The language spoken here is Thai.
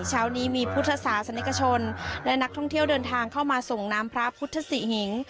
เช้านี้มีพุทธศาสนิกชนและนักท่องเที่ยวเดินทางเข้ามาส่งน้ำพระพุทธศิหิง